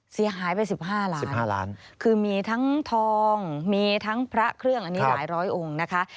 เสียหายไป๑๕ล้าน๕ล้านคือมีทั้งทองมีทั้งพระเครื่องอันนี้หลายร้อยองค์นะคะ